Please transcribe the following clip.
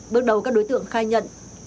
bước đầu các đối tượng khai nhận